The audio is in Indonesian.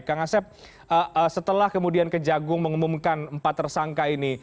kang asep setelah kemudian kejagung mengumumkan empat tersangka ini